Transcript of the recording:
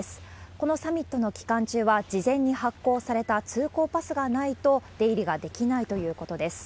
このサミットの期間中は、事前に発行された通行パスがないと出入りができないということです。